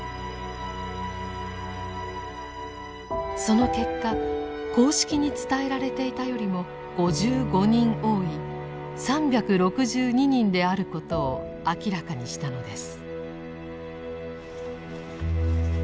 その結果公式に伝えられていたよりも５５人多い３６２人であることを明らかにしたのです。